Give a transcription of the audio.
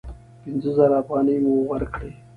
پینځه زره افغانۍ مي ورکړې !